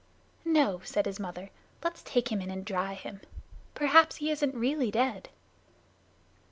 "No," said his mother, "let's take him in and dry him. Perhaps he isn't really dead."